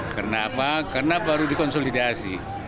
kenapa karena baru dikonsolidasi